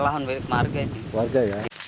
lahan milik warga